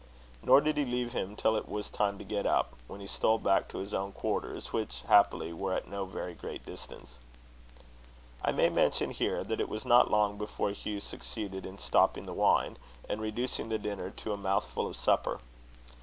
Nor did he leave him till it was time to get up, when he stole back to his own quarters, which, happily, were at no very great distance. I may mention here, that it was not long before Hugh succeeded in stopping the wine, and reducing the dinner to a mouthful of supper.